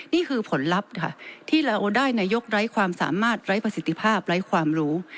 นี่คือผลลัพธ์ค่ะที่เราได้นายกไร้ความสามารถไร้ประสิทธิภาพไร้ความรู้